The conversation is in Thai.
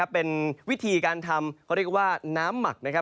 เป็นวิธีการทำน้ำหมัก